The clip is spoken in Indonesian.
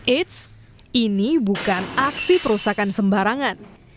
eits ini bukan aksi perusahaan sembarangan